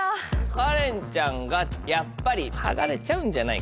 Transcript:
カレンちゃんがやっぱり剥がれちゃうんじゃないか。